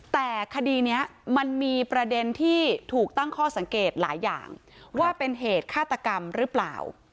แต่คดีนี้มันมีประเด็นที่ถูกตั้งข้อสังเกตหลายอย่างว่าเป็นเหตุฆาตกรรมหรือเปล่า